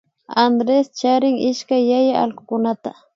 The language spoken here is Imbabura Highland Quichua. Andrés charin ishkay yaya allkukunata